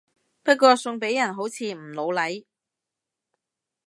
不過送俾人好似唔老嚟